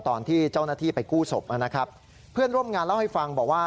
ตอนที่เจ้าหน้าที่ไปกู้ศพนะครับเพื่อนร่วมงานเล่าให้ฟังบอกว่า